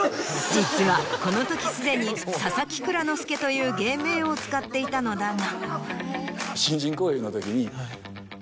実はこの時すでに「佐々木蔵之介」という芸名を使っていたのだが。